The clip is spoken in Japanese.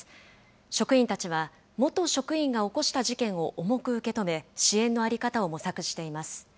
職員たちは、元職員が起した事件を重く受け止め、支援の在り方を模索しています。